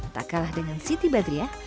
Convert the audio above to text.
tak kalah dengan siti badriah